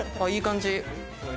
いい感じ。